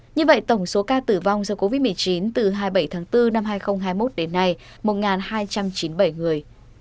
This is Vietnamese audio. như vậy tổng số ca tử vong do covid một mươi chín từ hai mươi bảy tháng bốn năm hai nghìn hai mươi một đến nay một hai trăm chín mươi bảy người